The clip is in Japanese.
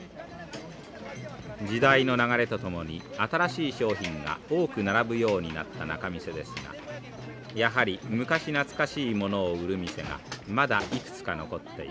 時代の流れとともに新しい商品が多く並ぶようになった仲見世ですがやはり昔懐かしいものを売る店がまだいくつか残っています。